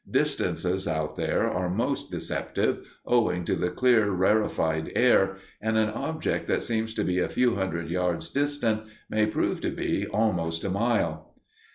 Distances out there are most deceptive, owing to the clear, rarefied air, and an object that seems to be a few hundred yards distant may prove to be almost a mile.